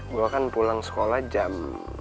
gue kan pulang sekolah jam